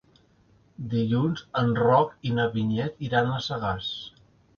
Dilluns en Roc i na Vinyet iran a Sagàs.